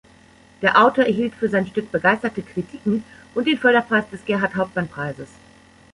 Der Autor erhielt für sein Stück begeisterte Kritiken und den Förderpreis des Gerhart-Hauptmann-Preises.